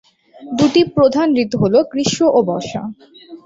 দুইটি প্রধান ঋতু হলো: গ্রীষ্ম ও বর্ষা।